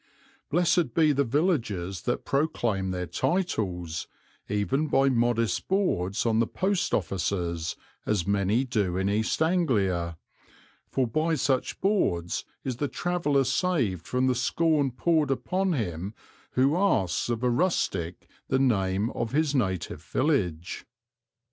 Blessed be the villages that proclaim their titles, even by modest boards on the post offices, as many do in East Anglia; for by such boards is the traveller saved from the scorn poured upon him who asks of the rustic the name of his native village.